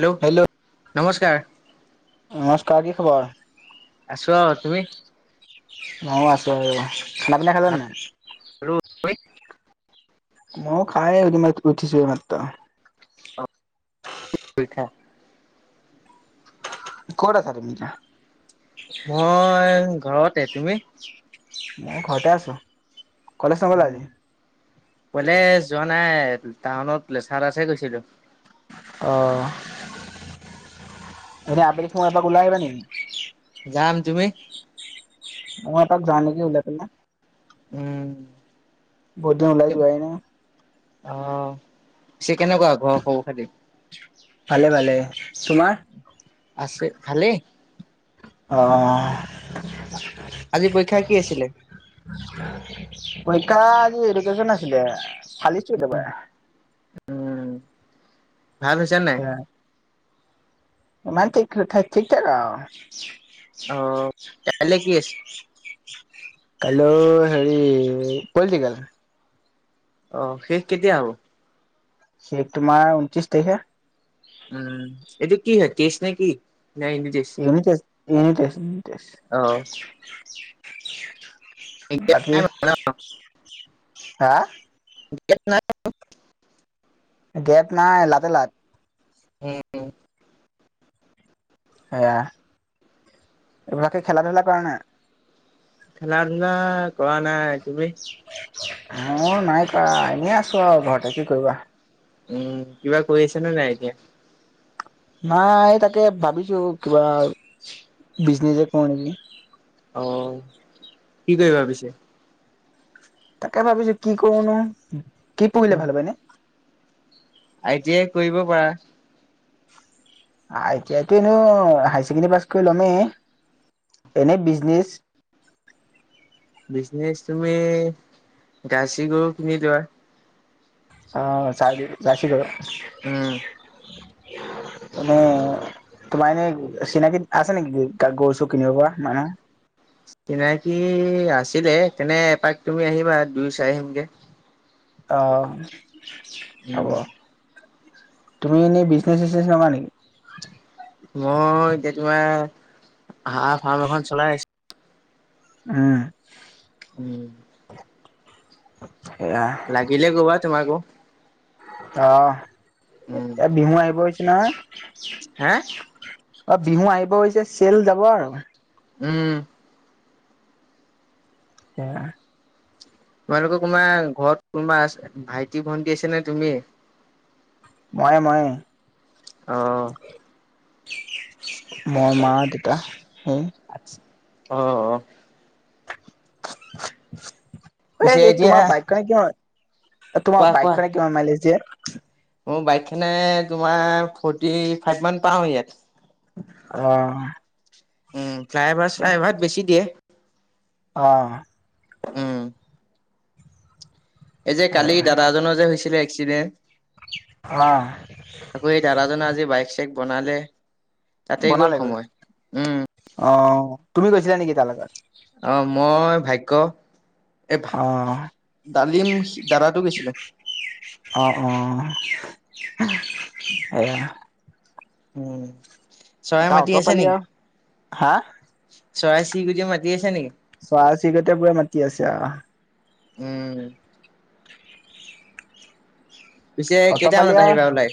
Hello নমস্কাৰ। নমস্কাৰ কি খবৰ? আছো আও। তুমি? অ আছো আৰু। খানা পিনা ভাত খালানে নাই? খালো মই খাই ম উঠিছো মাত্ৰ। [unintelligible] কট আছা তুমি? মই ঘৰতে, তুমি? মই ঘৰতে আছো, কলেজ নগলা আজি? কলেজ যোৱা নাই, টাউনত লেচা তাতহে গৈছিলো। অ এনে আবেলি সময় এপাক ওলাই আহিবা নি? যাম, তুমি? মৌ এপাক যাওঁ নেকি উওলাই পনে। উম বহুত দিন ওলাই জুৱাইনাই। আহ চে কেনেকুৱা ঘৰ খবৰ খাতি? ভালে ভালে, তোমাৰ? আছে ভালেই। অ আজি পৰীক্ষা কি আছিলে? পৰীক্ষা আজি এডুকেশ্যন আছিলে, ফালিছো একেবাৰে। উম ভাল হৈছে নাই? ইমান ঠিক ঠেক ঠিক ঠেক আও। অহ এতিয়া কালেই কি আছে? কাইলৈ'হেৰি কলছিকালে অ শেষ কেতিয়া হ'ব? সেই তোমাৰ ঊনত্ৰিশ তাৰিখে উম এইটো কি হয় কেছ নে কি? ন English unit test unit test অ বাকী হা- [unintelligible] গেপ নাই লাতে লাট হম সেয়া এইবিলাকাকে খেলা ধূলা কৰা নাই। খেলা ধূলা কৰা নাই তুমি- মোৰ নাই কৰা এনেই আছো আৰু ঘৰতে কি কৰিবা। উম কিবা কৈ আছে নে নাই এতিয়া- নাই তাকে ভাবিছো কিবা বিজনেচ কৰো নেকি? অ কি কৰিবা বিচে- তাকে ভাবিছো কি কৰোনো কি পঢ়িলে ভাল হব উম এনে আই টি আই কৰিব পাৰা। আই টি আই এনে হাই ছেকেণ্ডৰী পাছ কৰি লমেই এনেই বিজনেছ বিজনেচ তুমি জাইছি গৰু কিনি লোৱা অ জাৰ্চি গৰু উম মানে তোমাৰ এনেই চিনাকি আছে নেকি গৰু চৰু কিনিব পৰা মানু্হ চিনাকি আছিলে তেনে এপাক তুমি আহিবা দুই চাই আহিমগে- অ হ'ব উম তুমি এনেই বিজনেচ চিজনেছ নকৰা নেকি মই এতিয়া তোমাৰ হাঁহ ফাৰ্ম এখন চলাই আছো উম উম সেয়া লাগিলে কবা তোমাকো অ এয়া বিহু আহিব হৈছে নহয়। হে অ বিহু আহিব হৈছে চেল যাব আৰু উম সেইয়া তোমালোকৰ কোনোবা ঘৰত কোনোবা ভাইটি ভণ্টি আছে নে তুমি- মইয়ে মইয়ে। অ। মই মা দেউতা সেই অ অ। পিছে [unintelligible] এতিয়া তোমাৰ বাইক খনে কিমান তোমাৰ কোৱা কোৱা বাইক খনে কিমান মাইলেজ দিয়ে। মোৰ বাইক খনে তোমাৰ ফৰ্টি ফাইভ মান পাওঁ ইয়াত অ উম ফ্লাইভাৰ চালাইভাত বেছি দিয়ে। অ উম এই যে কালি দাদাজনৰ যে হৈছিলে অ এক্সিডেণ্ট। আকৌ এই দাদাজনে আজি বাইক চাইক বনালে। তাতেই গ'ল বনালে গৈ সময়। উম, অ তুমি গৈছিলা নেকি? তাৰ লগত। অ মই, ভাগ্য এ ভা অ ডালিম দাদাটো গৈছিলোঁ। অ অ এয়া। উম। চৰাই তা মাতি অত আছে পালি নেকি? আৰু। হাঁ? চৰাই চিৰিকটিয়ে মাতি আছে নেকি? চৰাই চিৰিকটিয়ে পুৰা মাতি আছে আহ। উম। পিছে অট পালি কেইটামানত আৰু আহিবা ওলাই?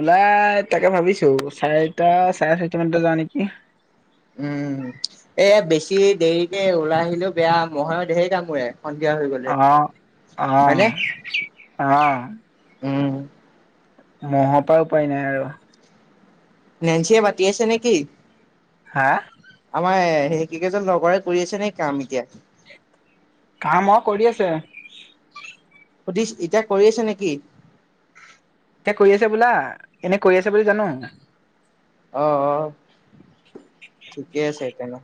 ওলাই তাকে ভাবিছোঁ চাৰিটা চাৰে চাৰিটা মানতে যাওঁ নেকি? উম। এ বেছি দেৰিকে ওলাই আহিলেও বেয়া মহয়ো ঢেৰ কামোৰে, সন্ধিয়া হৈ গ'লে অ হয়নে? অ অ উম। মহৰ পৰা উপায় নাই আৰু। নেন্ঞ্চিয়ে মাতি আছে নেকি? হা? আমাৰ সেই কি কেইজন লগৰে কৰি আছে নেকি কাম এতিয়া? কাম অ কৰি আছে। সুধিচ এতিয়া কৰি আছে নেকি? এতিয়া কৰি আছে বোলা, এনে কৰি আছে বুলি জানোঁ। আহ আহ ঠিকেই আছে তেনে।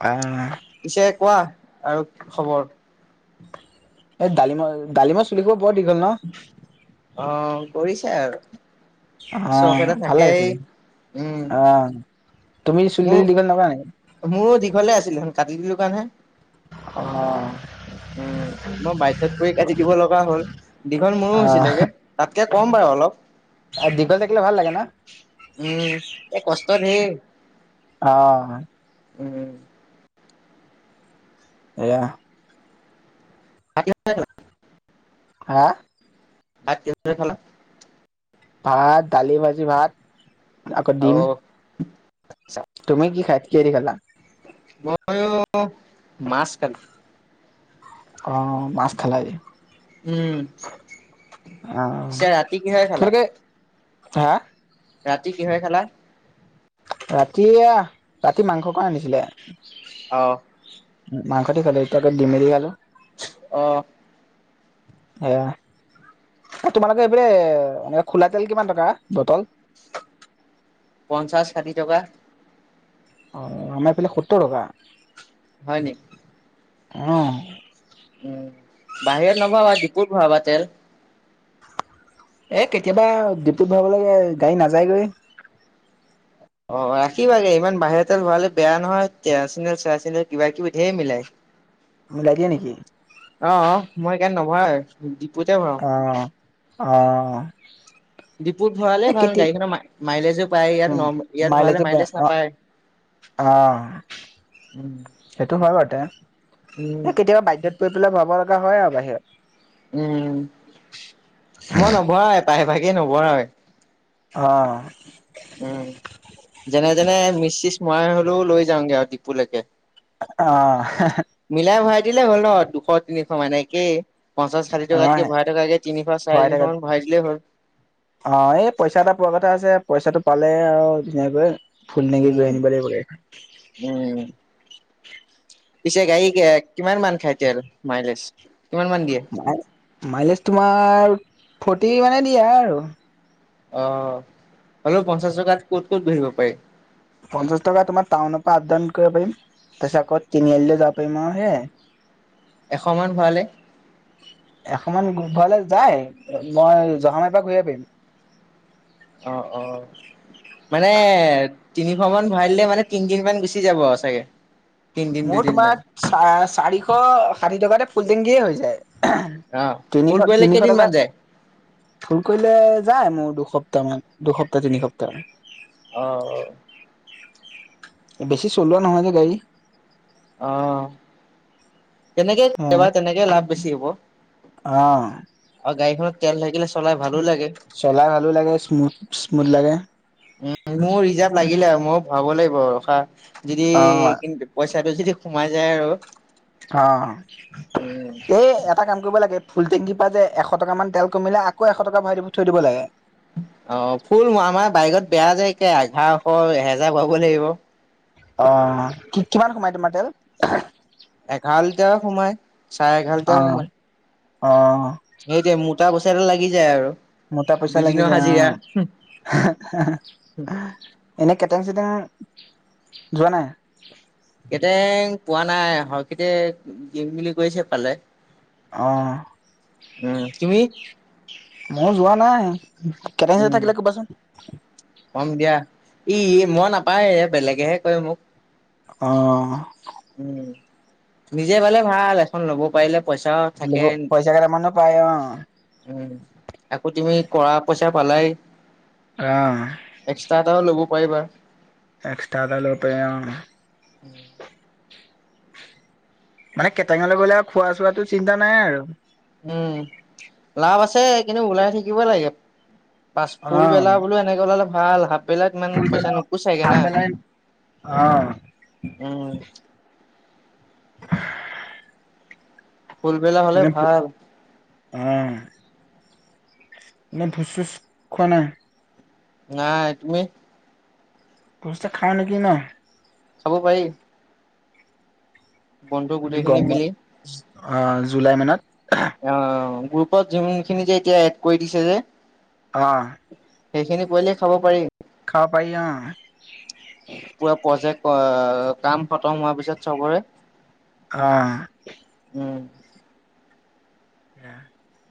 আহ। পিছে কোৱা আৰু কি খবৰ? এই ডালিম ডালিমৰ চুলি বোৰ দীঘল ন? অ কৰিছে আৰু। চখ এটা অ ভাল থাকেই, লাগিছিলে উম। অ তুমি চুলি তুলি মোৰ দীঘল নকৰা নেকি মোৰো দীঘলে আছিলে চোন কাটি দিলোঁ কাৰণহে। অ। উম। মই বাধ্যত পৰি কাটি দিব লগা হ'ল দীঘল মোৰো হৈছিলেগে, তাতকে ক'ম বাৰু অলপ। আৰু দীঘল থাকিলে ভাল লাগে না? উম, এ কষ্ট ধেৰ। অ উম। এয়া [unintelligible] হা? ভাত কিহৰ লগত খালা? ভাত দালি ভাজি ভাত আকৌ দিম। অ', আচ্ছা। তুমি কি খাই কিহে দি খালা? মইও মাছ খালো। অ মাছ খালে? উম। আহ পিছে ৰাতি কিহেৰে খালা? তেওঁলোকে হাঁ? ৰাতি কিহেৰে খালা? ৰাতি আহ ৰাতি মাংস কণ আনিছিলে। আঁহ। উম মাংস দি খালো এটিয়া আকৌ ডিমে দি খালো। অঁহ। আহ। আৰু তোমালোকৰ সেইফালে খোলা তেল কিমান টকা বটল? পঞ্চাশ, ষাঠি টকা। অ আমাৰ এইফালে সত্তৰ টকা। হয় নেকি? অ'। উম, বাহিৰত নভৰাবা ডিপুত ভৰাবা তেল এ কেতিয়াবা ডিপুত ভৰাব লাগে গাড়ী নাযায়গৈ। অ, ৰাখিবাগে ইমান বাহিৰাতেল ভৰালে বেয়া নহয় কেৰাচিনেল চেৰাচিনেল কিবা কিবি ধেৰ মিলাই। মিলাই দিয়ে নেকি? অ, মই সেইকাৰণে নভৰাও। অ, অ। ডিপুত ভৰালে এ ভাল কেতিয়া গাড়ীখনৰ মাইলেজো পায় ইয়াত উম ন ইয়াত মাইলেজো ভৰালে পায় মাইলেজ অ নাপায়। অ, উম, সেইটো হয় বাৰুতে উম, এ কেতিয়াবা বাধ্যত পৰি পেলাই ভৰাব লগা হয় আৰু বাহিৰত। উম, মই নভৰাও প্ৰায় ভাগে নভৰাৱে। অ। উম, যেনে তেনে মিচ চিচ মৰা হলেও লৈ যাওঁগে আৰু ডিপুলৈকে। অ। মিলাই ভৰাই দিলে হ'ল ন দুশ, তিনিশ এনেকেই। পঞ্চাশ অ ষাঠিটকাতকৈ ভৰাই থকাতকে তিনিশ, চাৰে ভৰাই থাকাত তিনিশমান ভৰাই দিলেই হ'ল। অ, এই পইচা এটা পোৱা কথা আছে পইচাটো পালে আৰু ধুনীয়াকৈ ফুল টেংকি কৰি উম আনিব লাগিবগে। উম পিছে গাড়ী কিমান মান খাই তেল মাইলেজ। কিমান মান দিয়ে মাইলেজ তোমাৰ ফৰ্টি মানে দিয়া আৰু। অ', হলেও পঞ্চাশ টকাত ক'ত ক'ত গৈ আহিব পাৰি। পঞ্চাশ টকা তোমাৰ টাউনৰ পৰা আপডাউন কৰিব পাৰিম। তাৰপিছত আক তিনিআলিলৈ যাব পাৰিম আও সেয়াই। এশ মান ভৰালে? এশমান ভৰালে যায়। মই জহামাৰীৰ পৰা ঘূৰি আহিব পাৰিম। অ অ মানে তিনিশ মান ভৰাই দিলে মানে তিনিদিন মান গুচি যাব আও চাগে। তিনদিন মোৰ দুদিন তোমাৰ মান চা চাৰিশ ষাঠি টকাতে ফুলটেংকিয়ে হৈ যায়। অ ফুল তিনিশ কৰিলে তিনিশ কেইদিন মান যায় টকাত। ফুল কৰিলে যায় মোৰ দুসপ্তাহ মান, দুসপ্তাহ তিনি সপ্তাহ। অ',। বেছি চলোৱা নহয় যে গাড়ী। অ, তেনেকেই অ তেনেকে লাভ বেছি হ'ব। অ, আৰু গাড়ীখনত তেল থাকিলে চলাই ভাল। চলাই ভালো লাগে স্মুথ স্মুথ লাগে। উম, মোৰ ৰিজাৰ্ভ লাগিলে আৰু মইয়ো ভৰাব লাগিব আও ৰখা। যদি অ পইচা তাইতো যদি সোমাই যায় আৰু। অ'! উম। এই, এটা কাম কৰিব লাগে। ফুল টেংকী পালে। এশ টকা মান তেল কমিলে, আকৌ, এশ টকা ভৰাই দিব থৈ দিব লাগে। [inaudible] অ'! ফুল আমাৰ বাইকত বেয়া যে, একে এঘাৰশ, এহেজাৰ ভৰাব লাগিব। অ'! কি কিমান সোমাই তোমাৰ তেল? [unintelligible] সোমাই, চাৰে এঘাৰ লিটাৰ অ' সোমায়। অ'! সেইটোৱে, মোটা পইচা লাগি যায় আৰু দুদিনৰ হাজিৰা। এনেই, কেটেং, চেতেং যোৱা নাই। কেটেৰিং পোৱা নাই। হৰষিতে দিম বুলি কৈছে পালে। অ'! উম, তুমি মই যোৱা নাই। একেলগে উম, থাকিলে কবাচোন। কম দিয়া। ই মই নাপায়, বেলেগেহে কয় মোক। অ'! উম, নিজে পাৰিলে ভাল! এখন ল'ব পাৰিলে। পইচাও থাকে পইচা কেইটামানো পায়। অ'! উম, আকৌ তুমি কৰা পইচা পালাই। অ'! এটা ল'ব পাৰিবা। এক্সট্ৰা এটা ল'ব পাৰে। অ'! [inaudible] মানে, কেটেঙা ল'ৰাবিলাকৰ খোৱা চোৱা'টো চিন্তা নাই আৰু। উম, লাভ আছে। কিন্তু, ওলাই থাকিবই লাগে। পাছ, অ' ফুলবেলা বোলো এনেকে উলালে ভাল, হাপবেলাক ইমান পইচা নোপোচাইগে খাই না? পেলাই উম, অ'! [inaudible] ফুলবেলা হ'লে এনে ভাল। অ'! এই ভোজ-চোচ খোৱা নায়। নাই তুমি? ভোদটো খাওঁ নেকি ন? চাব পাৰি। বন্ধু গোটেইখিনি মিলি। অ'! জুলাই মানত। অ'! গ্ৰুপত যোনখিনি যে, এতিয়া এড কৰি দিছে যে। অ'! সেইখিনি কৰিলে খাব পাৰি। খাব পাৰি। অ'! পুৰা প্ৰজেক্ট অ'! কাম খতম হোৱাৰ পিছত চবৰে অ'! উম! [inaudible]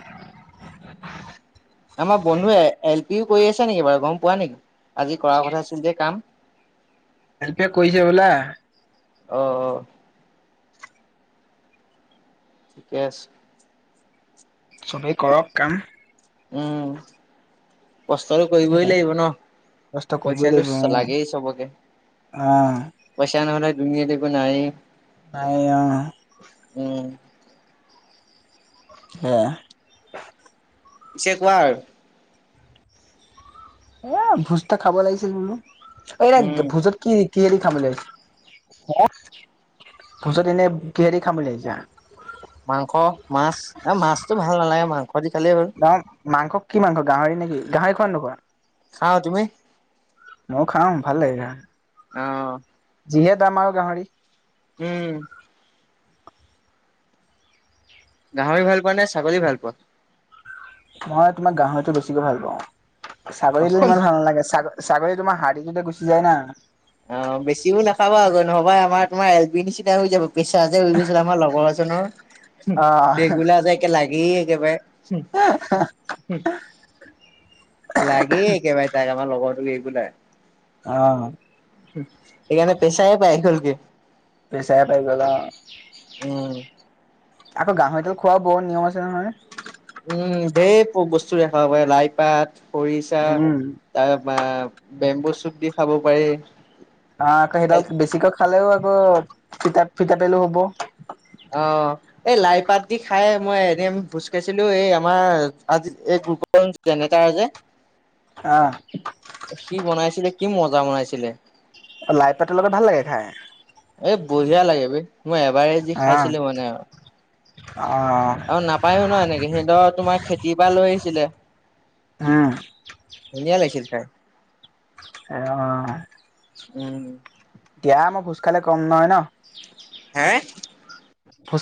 [inaudible] আমাৰ বন্ধুৱে এল পিও কৰি আছে নেকি বাৰু গম পোৱা নেকি? আজি কৰাৰ কথা আছিল যে কাম। [inaudible] [unintelligible] অ'! অ'! ঠিকে আছে। চবেই কৰক কাম উম কষ্টটো কৰিবই লাগিবই নহ? কষ্ট কৰিবই পইচাটো লাগিব অ লাগেই চবকে অ পইচা নহ'লে দুুনীয়াত একো নাই। নাই অ উম সেয়া এতিয়া কোৱা আৰু এ ভোজটা খাব লাগিছিল বুলো এই উম ভোজত কি কি হেৰি খাম লাগিছিল হ ভোজত এনে কিহে'দি খাম বুলি ভাবিছা? মাংস মাছ এ মাছতটো ভাল নালাগে মাংস দি খালেই হ'ল গৱৰ মাংস কি মাংস গাহৰি নেকি গাহৰি খোৱা নোখোৱা? খাওঁ তুমি? ময় খাম ভাল লাগে য অ যিহে দাম আৰু গাহৰি উম। গাঁহৰি ভাল পোৱা নে ছাগলী ভাল পোৱা। মই তোমাৰ গাহৰিতো বেছিকৈ ভাল পাওঁ। অ ছাগলী দিল ইমান ভাল নালাগে ছ ছাগলী তোমাৰ হাৰাতীটোতে গুচি যায় না। অ বেছিও নাখাবা আগ নহবা আমাৰ তোমাৰ এল বি নিচিনা হৈ যাব পেছাজ হৈ গৈছিল আমাৰ লগৰ। অ', ৰেগলা যে একে লাগি। লাগে একেবাৰে। তোমাৰ লগৰতো ৰেগোলাৰ অ ে [inaudible] পইচা পাই গলা। উম। আকৌ গাহৰিডাল খোৱা বত নিয়ম আছে ন নহয়। উম ঢেৰ বস্তু দেখাব পাৰে লাই পাত খৰিচা অ', তাৰ বেম্বু চুপ দি খাব পাৰি। অ আকৌ সেইডাল বেছিকৈ খালেও আকৌ ফিতাপ ফিতাপেলো হ'ব। অ এই লাই পাত দি খাই মই এদম খোজ কাঢ়িছিলো এই আমাৰ আজি তাৰ যে- আহ কি বনাইছিলে কি মজা বনাইছিলে। লাই পাতৰ লগত ভাল লাগে খাই। বেয়া লাগে বে মই এবাৰে যি। অ', খাইছিলো মানে আৰু অ', আৰু নাপায়ো ন এনেকে সিহতৰ তোমাৰ খেতি কিবা লৈ আহিছিলে। হম। ধুনীয়া লাগছিল খাই। অ অ উম দিয়া মই ভোজ খালে কম নহয় ন। হা ভোজ